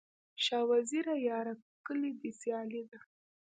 شاه وزیره یاره، کلي دي سیالي ده